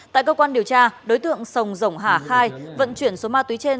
tại cơ quan điều tra đối tượng sồng rồng hả khai vận chuyển số ma túy trên